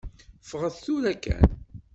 Ffɣet tura kan.